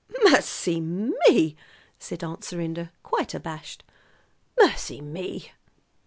"Mercy me!" said Aunt Serinda, quite abashed. "Mercy me!"